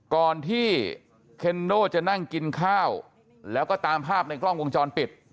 ก่อนที่เคนโน่จะนั่งกินข้าวแล้วก็ตามภาพในกล้องวงจรปิด